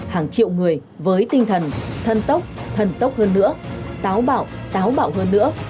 hàng triệu người với tinh thần thân tốc thần tốc hơn nữa táo bạo táo bạo hơn nữa